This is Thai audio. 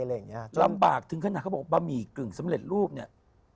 ลำบากถึงขนาดเขาบอกบะหมี่กึ่งสำเร็จรูปเนี่ย